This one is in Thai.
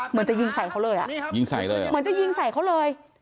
เหมือนจะยิงใสเขาเลย